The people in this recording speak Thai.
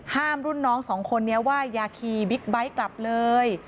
รุ่นน้องสองคนนี้ว่าอย่าขี่บิ๊กไบท์กลับเลย